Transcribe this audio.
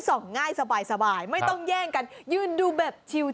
ง่ายสบายไม่ต้องแย่งกันยืนดูแบบชิว